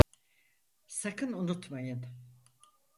Sakın unutmayın.